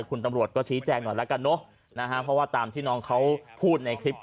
คุณตำรวจก็ชี้แจงหน่อยแล้วกันเนอะนะฮะเพราะว่าตามที่น้องเขาพูดในคลิป